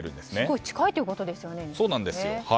すごい近いということですね。